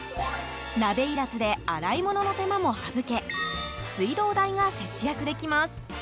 鍋いらずで洗い物の手間も省け水道代が節約できます。